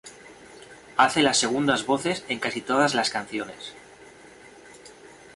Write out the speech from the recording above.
Hace las segundas voces en casi todas las canciones.